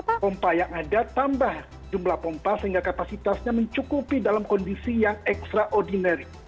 pompa yang ada tambah jumlah pompa sehingga kapasitasnya mencukupi dalam kondisi yang ekstraordinary